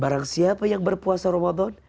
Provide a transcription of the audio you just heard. barang siapa yang berpuasa ramadan